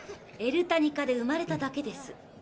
エルタニカで生まれただけです。